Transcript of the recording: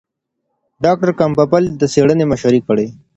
ډاکټر کمپبل د څېړنې مشري کړې.